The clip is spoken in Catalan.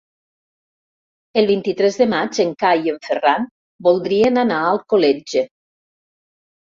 El vint-i-tres de maig en Cai i en Ferran voldrien anar a Alcoletge.